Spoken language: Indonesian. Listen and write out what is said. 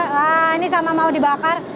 nah ini sama mau dibakar